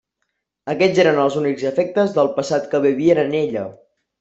Aquests eren els únics afectes del passat que vivien en ella.